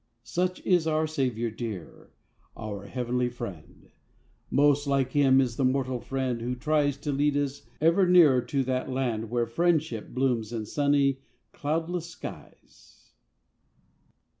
Such is our Saviour dear, our Heavenly Friend. Most like Him is the mortal friend, who tries To lead us ever nearer to that land Where Friendship blooms in sunny, cloudless skies.